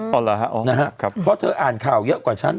อ๋อเหรอฮะนะครับเพราะเธออ่านข่าวเยอะกว่าฉัน